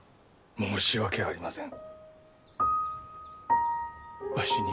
申し訳ありません！